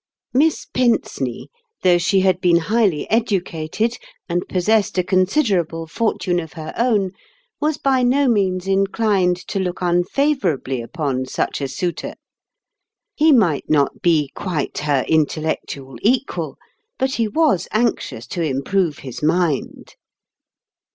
Miss Pinceney, though she had been highly educated, and possessed a considerable fortune 12 (Eonrmaliu's (Eime (Eljeqncs. of her own, was by no means inclined to look unfavorably upon such a suitor. ]Ie might not be quite her intellectual equal, but he was anx ious to improve his mind.